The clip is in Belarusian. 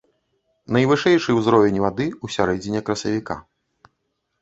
Найвышэйшы ўзровень вады ў сярэдзіне красавіка.